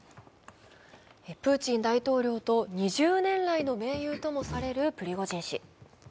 プーチン大統領と２０年来の盟友ともされるプリゴジン氏。